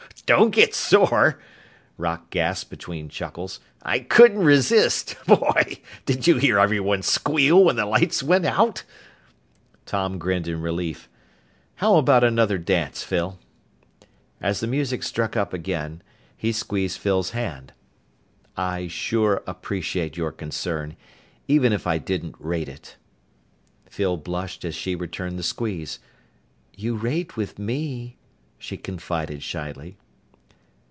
"Don't get sore!" Rock gasped between chuckles. "I couldn't resist. Boy, did you hear everyone squeal when the lights went out?" Tom grinned in relief. "How about another dance, Phyl?" As the music struck up again, he squeezed Phyl's hand. "I sure appreciate your concern, even if I didn't rate it." Phyl blushed as she returned the squeeze. "You rate with me," she confided shyly.